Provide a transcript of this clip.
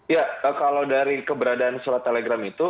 ya kalau dari keberadaan surat telegram itu